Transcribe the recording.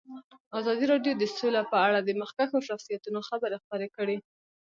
ازادي راډیو د سوله په اړه د مخکښو شخصیتونو خبرې خپرې کړي.